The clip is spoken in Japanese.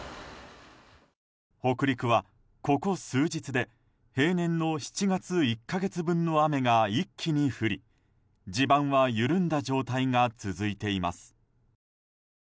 北陸はここ数日で平年の７月１か月分の雨が一気に降り、地盤は緩んだ状態が続いています。